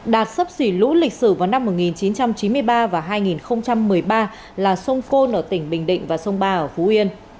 đạt sấp xỉ lũ lịch sử vào năm một nghìn chín trăm chín mươi ba và hai nghìn một mươi ba là sông phôn ở tỉnh bình định và sông ba ở phú yên